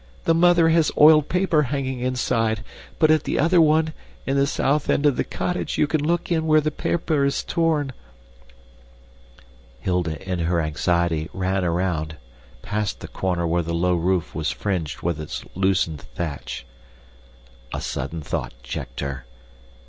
"The mother has oiled paper hanging inside. But at the other one, in the south end of the cottage, you can look in where the paper is torn." Hilda, in her anxiety, ran around, past the corner where the low roof was fringed with its loosened thatch. A sudden thought checked her.